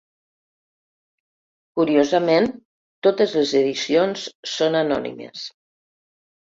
Curiosament totes les edicions són anònimes.